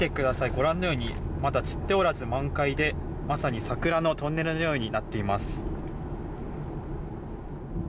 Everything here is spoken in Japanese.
ご覧のようにまだ散っておらず満開でまさに桜のトンネルのようになっています。